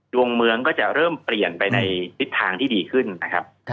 ดวงเมืองก็จะเริ่มเปลี่ยนไปในทิศทางที่ดีขึ้นนะครับ